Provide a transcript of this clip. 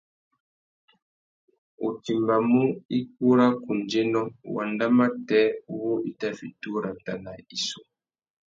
U timbamú ikú râ kundzénô ! wanda matê wu i tà fiti urrata na issú.